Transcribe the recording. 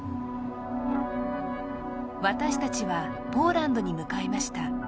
私たちはポーランドに向かいました